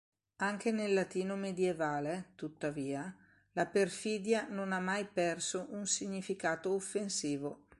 Anche nel latino medievale, tuttavia, la "perfidia" non ha mai perso un significato offensivo.